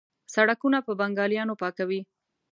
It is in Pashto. سړکونه په بنګالیانو پاکوي.